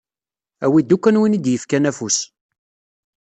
Awi-d ukan win i d-yefkan afus.